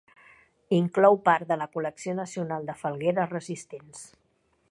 Inclou part de la col·lecció nacional de falgueres resistents.